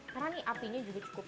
karena nih apinya juga cukup